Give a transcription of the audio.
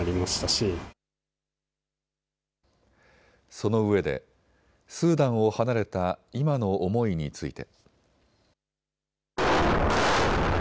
そのうえでスーダンを離れた今の思いについて。